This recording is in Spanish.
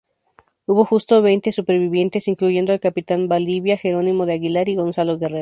Hubo justo veinte supervivientes, incluyendo el capitán Valdivia, Gerónimo de Aguilar y Gonzalo Guerrero.